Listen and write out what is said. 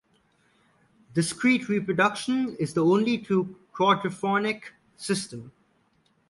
Discrete reproduction is the only true Quadraphonic system.